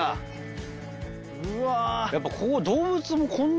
うわ！